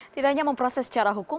tidak hanya memproses secara hukum